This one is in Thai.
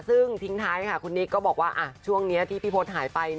ซึ่งทิ้งท้ายค่ะคุณนิกก็บอกว่าช่วงนี้ที่พี่พศหายไป